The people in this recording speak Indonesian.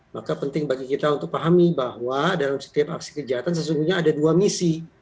maka penting bagi kita untuk pahami bahwa dalam setiap aksi kejahatan sesungguhnya ada dua misi